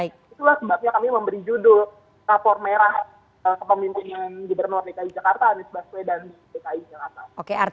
itulah sebabnya kami memberi judul rapor merah kepemimpinan gubernur dki jakarta anies baswedan di dki jakarta